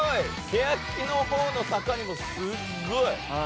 ケヤキのほうの坂にもすっごい。